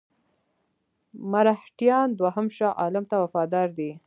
مرهټیان دوهم شاه عالم ته وفادار دي.